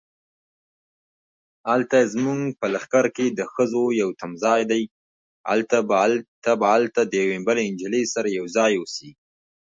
Scores are culled from numerous American and European sources.